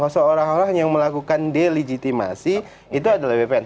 seolah olah yang melakukan delegitimasi itu adalah bpn